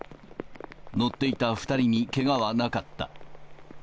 乗っていた２人にけがはなかった。